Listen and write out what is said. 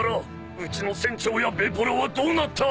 うちの船長やベポらはどうなった！？